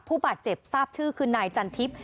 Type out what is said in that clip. ผู้บาดเจ็บทราบชื่อคือนายจันทิพย์